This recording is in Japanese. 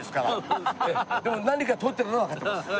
でも何か通ってるのはわかってます。